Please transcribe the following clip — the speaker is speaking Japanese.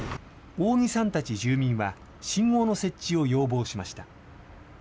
大木さんたち住民は、信号の設置を要望しました。